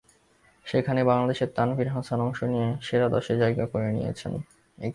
সেখানেই বাংলাদেশের তানভীর হাসান অংশ নিয়ে সেরা দশে জায়গা করে নিয়েছেন।